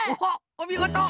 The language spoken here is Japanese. おみごと！